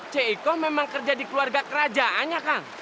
ceko memang kerja di keluarga kerajaannya kang